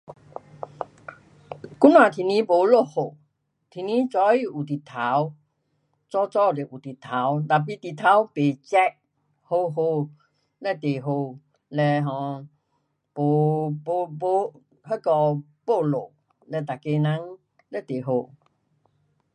今天天气没落雨，天气早起有日头，早早是有日头，tapi 日头不热，好好,非常好，嘞 um 没，没，没，那个没露，嘞每个人非常好。